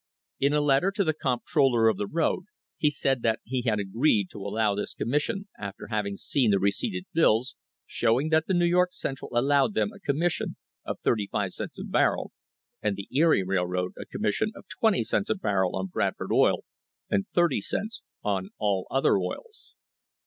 In a letter to the comptroller of the road he said that he had agreed to allow this commission after having seen the receipted bills, showing that the New York Central allowed them a commis sion of thirty five cents a barrel, and the Erie Railroad a commission of twenty cents a barrel on Bradford oil and thirty cents on all other oils.